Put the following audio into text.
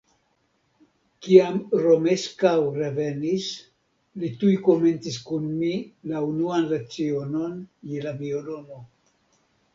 Kiam Romeskaŭ revenis, li tuj komencis kun mi la unuan lecionon je la violono.